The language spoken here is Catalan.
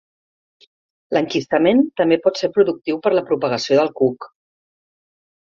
L'enquistament també pot ser productiu per a la propagació del cuc.